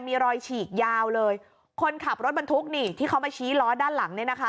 มีรอยฉีกยาวเลยคนขับรถบรรทุกนี่ที่เขามาชี้ล้อด้านหลังเนี่ยนะคะ